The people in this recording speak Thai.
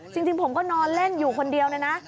จริงผมก็นอนเล่นอยู่คนเดียวเลยนะ